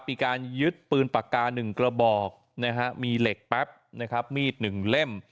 มีการยึดปืนปากกา๑กระบอกนะฮะมีเหล็กแป๊บนะครับมีด๑เล่ม